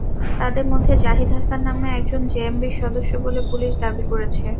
তাঁদের মধ্যে জাহিদ হাসান নামে একজন জেএমবির সদস্য বলে পুলিশ দাবি করেছে।